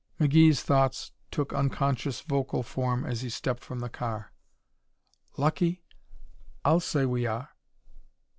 McGee's thoughts took unconscious vocal form as he stepped from the car. "Lucky? I'll say we are!"